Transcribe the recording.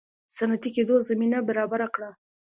صنعتي کېدو زمینه برابره کړه.